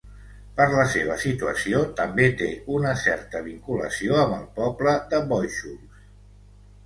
Per la seva situació, també té una certa vinculació amb el poble de Bóixols.